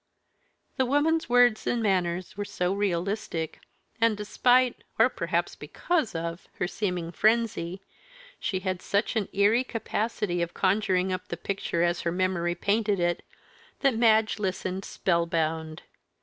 The woman's words and manner were so realistic, and despite or perhaps because of her seeming frenzy, she had such an eerie capacity of conjuring up the picture as her memory painted it, that Madge listened spellbound.